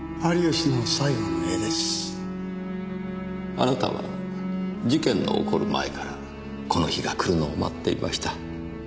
あなたは事件の起こる前からこの日が来るのを待っていました。